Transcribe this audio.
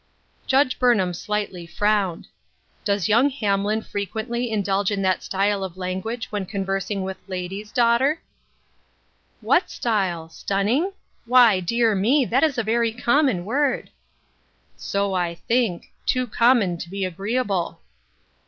Judge Burnham slightly frowned. " Does young Hamlin frequently indulge in that style of language when conversing with ladies, daughter ?"" What style ? Stunning ? Why, dear me ! that is a very common word." " So I think ; too common to be agreeable."